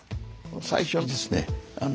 最初はですね